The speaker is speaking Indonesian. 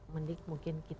mending mungkin kita